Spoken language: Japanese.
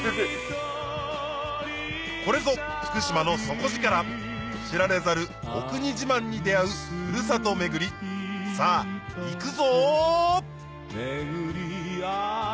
これぞ福島の底力知られざるお国自慢に出合うふるさと巡りさぁ行くぞ！